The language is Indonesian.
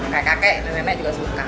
kayak kakek nenek nenek juga suka